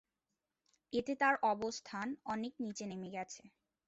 এতে তার অবস্থান অনেক নিচে নেমে গেছে।